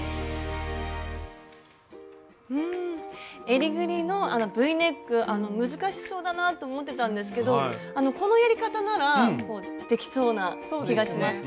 えりぐりのＶネック難しそうだなと思ってたんですけどこのやり方ならできそうな気がします。